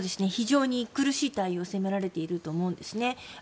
非常に苦しい対応を迫られていると思うんですね。